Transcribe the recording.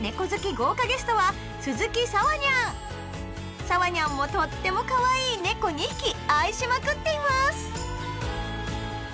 豪華ゲストは鈴木砂羽ニャン砂羽ニャンもとってもかわいい猫２匹愛しまくっています！